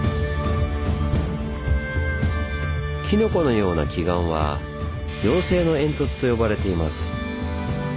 キノコのような奇岩は「妖精の煙突」と呼ばれています。